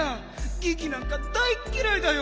ギギなんか大っきらいだよ！